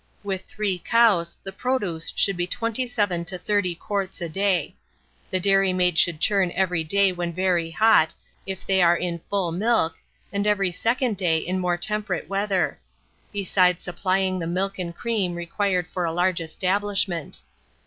With three cows, the produce should be 27 to 30 quarts a day. The dairy maid should churn every day when very hot, if they are in full milk, and every second day in more temperate weather; besides supplying the milk and cream required for a large establishment.